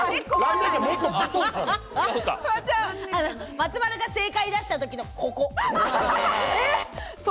松丸が正解だした時のここ。